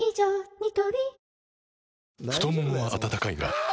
ニトリ太ももは温かいがあ！